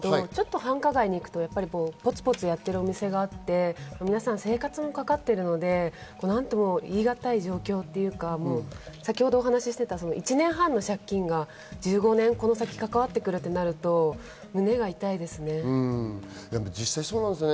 繁華街に行くとポツポツやってるお店があって、皆さん生活もかかってるので、なんとも言い難い状況というか、先ほど話していた１年半の借金が１５年、この先関わってくるとなると胸が痛いですね。